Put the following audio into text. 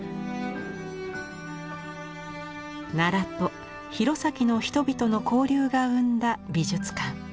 奈良と弘前の人々の交流が生んだ美術館。